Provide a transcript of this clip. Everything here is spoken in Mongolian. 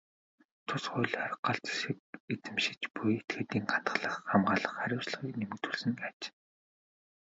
Тус хуулиар галт зэвсэг эзэмшиж буй этгээдийн хадгалах, хамгаалах хариуцлагыг нэмэгдүүлсэн аж.